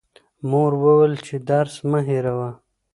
مور وویل چې درس مه هېروه.